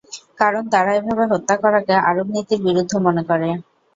কারণ, তারা এভাবে হত্যা করাকে আরব নীতির বিরুদ্ধ মনে করে।